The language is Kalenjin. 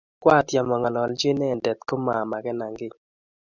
Kwa tyem ang'ololji inendet, ko maa makenan kiy